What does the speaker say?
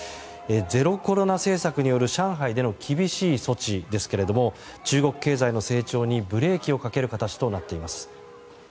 ゼロコロナ政策による上海での厳しい措置ですが中国経済の成長にブレーキをかける形となっています。